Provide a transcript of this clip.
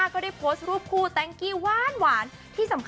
ก่อนหน้านี้